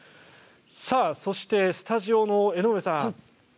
そしてスタジオの江上さん